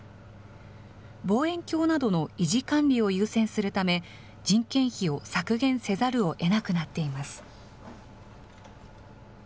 望遠鏡などの維持管理を優先するため、人件費を削減せざるをえなくなっています。